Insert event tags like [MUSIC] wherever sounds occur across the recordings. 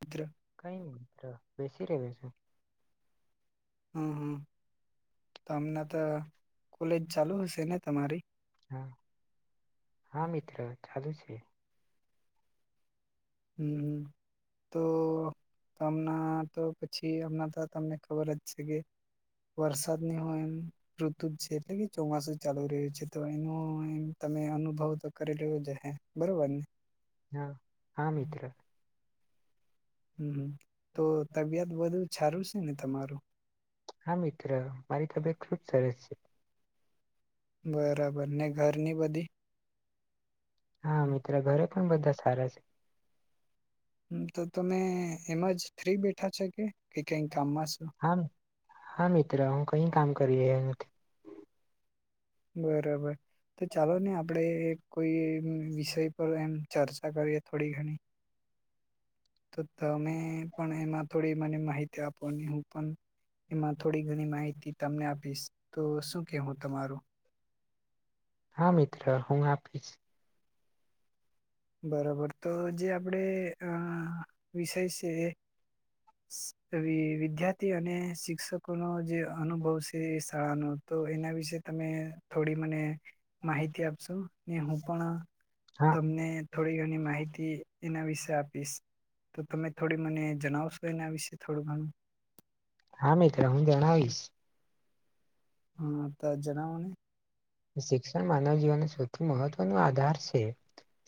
કુદ્ર કઈ ની મિત્ર બેસી રેવે છે હમ તમને તો કોલેજ ચાલુ હશે ને તમારી હા મિત્ર ચાલુ છે હમ તો... હમણાં તો પછી હમણા તો તમને ખબર જ છે કે વરસાદની હોય ઋતુ જ છે એટલે કે ચોમાસું ચાલુ રહ્યું છે તો એનો તમે અનુભવ તો કરી લેવો જહે બરોબર ને હા હા મિત્ર હમ તો તબિયત બધુ સારું છે ને તમારું હા મિત્ર મારી તબિયત ખુબ સરસ છે બરાબર ને ઘરની બધી હા મિત્ર ઘરે પણ બધા સારા છે હમ તો તમે એમાં જ ફ્રી બેઠા છો કે કઈક કામમાં છો હા હા મિત્ર હું કઈ કામ કરી રહયો નથી બરાબર તો ચાલો ને આપડે કોઈ વિષય પર એમ ચર્ચા કરીએ થોડી ઘણી તો તમે પણ એમાં થોડી મને માહિતી આપો અને હું પણ એમાં થોડી ઘણી માહિતી તમને આપીશ તો શું કેવું તમારું હા મિત્ર હું આપીશ બરાબર તો જે આપડે અહ વિષય છે વિદ્યાર્થી અને શિક્ષક લોકોનો જે અનુભવ છે એ શાળાનો તો એના વિશે તમે થોડી મને માહિતી આપશો ને હું પણ હા તમને થોડી ઘણી માહિતી એના વિશે આપીશ તો તમે થોડી મને જણાવશો એના વિશે થોડું ઘણું હા મિત્ર હું જણાવીશ હમમ તા જણાવો ને શિક્ષણ માનવ જીવનનો સૌથી મહત્વ નો આધાર છે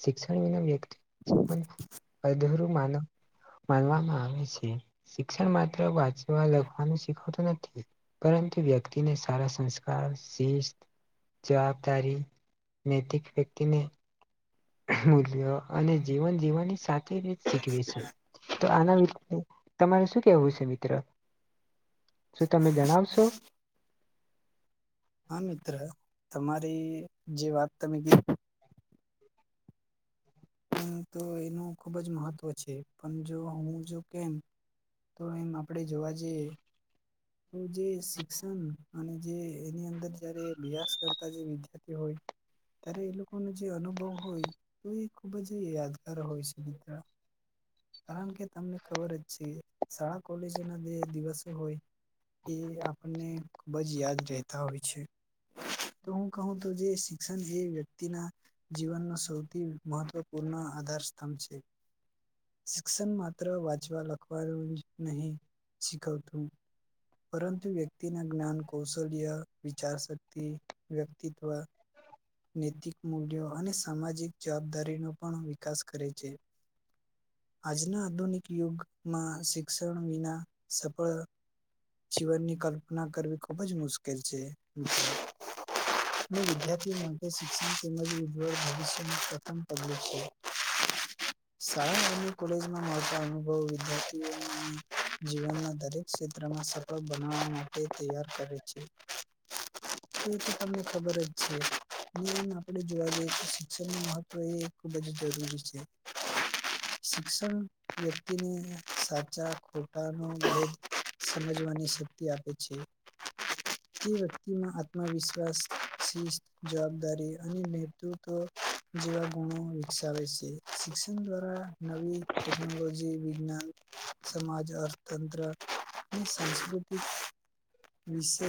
શિક્ષણ વિના [UNINTELLIGIBLE] અધૂરું માનવ માનવામાં આવે છે, શિક્ષણ માત્ર વાંચવા-લખવાનું શીખવતું નથી. પરંતુ વ્યક્તિને સારા સંસ્કાર, શિસ્ત જવાબદારી, નૈતિક વ્યક્તિને મૂલ્યો અને જીવન જીવવાની સાચી રીત શીખવી છે, તો આના વિષે તમારે શું કેવું છે મિત્ર? શું તમે જણાવશો? હા, મિત્ર તમારી જે વાત તમે કીધી હુ, તો એનું ખૂબ જ મહત્વ છે, પણ જો હું જો કેમ તો એમ આપડે જોવા જઈએ. તો જે શિક્ષણ અને જે એની અંદર જયારે અભ્યાસ કરતા જે વિદ્યાર્થી હોય, ત્યારે એ લોકોનો જે અનુભવ હોય તો એ ખૂબ જ યાદગાર હોય છે મિત્ર. કારણ કે તમને ખબર જ છે, શાળા કોલેજોના જે દિવસો હોય એ આપણને ખૂબ જ યાદ રેહેતા હોય છે. તો હું કહું તો, જે શિક્ષણ જે વ્યક્તિના જીવનનો સૌથી મહત્વપૂર્ણ આધાર સ્તંભ છે. શિક્ષણ માત્ર વાંચવા-લખવાનું જ નહી શીખવતું પરંતુ વ્યક્તિના જ્ઞાન, કૌશલ્ય, વિચાર શક્તિ વ્યક્તિત્વ નૈતિક મૂલ્યો અને સામાજિક જવાબદારીનું પણ વિકાસ કરે છે. આજના આધુનિક યુગ માં શિક્ષણ વિના સફળ જીવનની કલ્પના કરવી ખૂબ જ મુશ્કેલ છે. ને વિદ્યાર્થીઓ માટે શિક્ષણ તેમજ ઉજ્જવળ ભવિષ્યનું પ્રથમ પગલું છે. શાળા [INAUDIBLE] અને કોલેજમાં મળતા અનુભવો વિદ્યાર્થીઓને જીવનમાં દરેક ક્ષેત્રમાં સર ખા બનાવવા માટે તૈયાર કરે છે. એ તો તમને ખબર જ છે, ની [INAUDIBLE] આપડે જોવા જઈએ તો શિક્ષણનું મહત્વ એ ખૂબ જ જરૂરી છે. શિક્ષણ વ્યક્તિને સાચા-ખોટાનો બોધ સમજવાની શક્તિ આપે છે. તે વ્યક્તિમાં આત્મવિશ્વાસ, શિસ્ત, જવાબદારી અને નેતૃત્વ જેવા ગુણો વિકસાવે છે, શિક્ષણ દ્વારા નવી ટેકનોલોજી, વિજ્ઞાન, સમાજ, અર્થતંત્ર અને સાંસ્કૃતિક વિશે